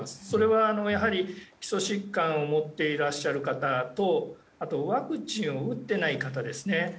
それは基礎疾患を持っていらっしゃる方とあと、ワクチンを打っていない方ですね。